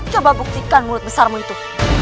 coba buktikan mulut besarmu itu